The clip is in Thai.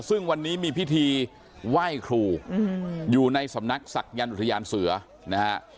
ซึ่งวันนี้มีพิธีไหว้ครูอยู่ในสำนักศักยันต์อุทยานเสือนะฮะ